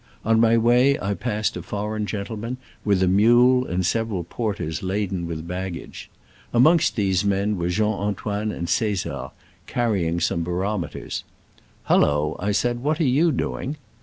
On my way I passed a foreign gentleman, with a mule and several porters laden with baggage. Amongst these men were Jean Antoine and Caesar, carrying some barometers. *' Hullo !'* I said, "what are you doing?"